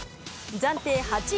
暫定８位